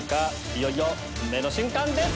いよいよ運命の瞬間です！